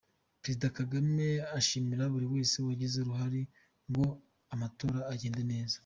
Perezida Kagame ashimira buri wese wagize uruhare ngo amatora agende neza